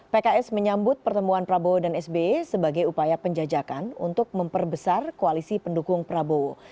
pks menyambut pertemuan prabowo dan sby sebagai upaya penjajakan untuk memperbesar koalisi pendukung prabowo